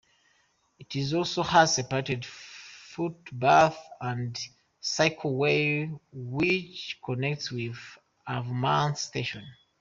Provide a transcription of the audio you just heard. It also has a separate footpath and cycleway which connects with Avonmouth station.